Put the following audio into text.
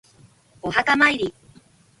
お墓参り